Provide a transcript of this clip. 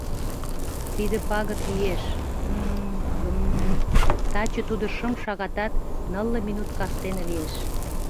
— Тиде пагыт лиеш… Гм, гм… Таче тудо шым шагатат нылле минут кастене лиеш.